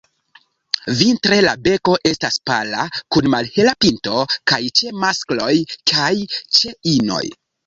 Vintre la beko estas pala kun malhela pinto kaj ĉe maskloj kaj ĉe inoj.